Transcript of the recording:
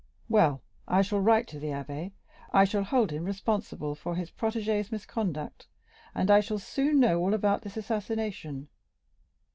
Well, I shall write to the abbé; I shall hold him responsible for his protégé's misconduct, and I shall soon know all about this assassination.